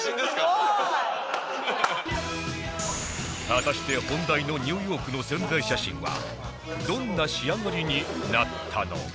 果たして本題のニューヨークの宣材写真はどんな仕上がりになったのか？